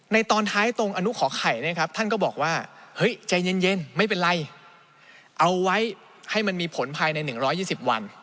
ตอนท้ายตรงอนุขอไข่นะครับท่านก็บอกว่าเฮ้ยใจเย็นไม่เป็นไรเอาไว้ให้มันมีผลภายใน๑๒๐วัน